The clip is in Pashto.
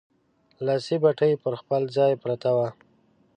لاسي بتۍ پر خپل ځای پرته وه.